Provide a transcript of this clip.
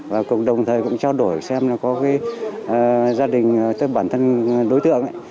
và cùng đồng thời cũng trao đổi xem là có cái gia đình tôi bản thân đối tượng ấy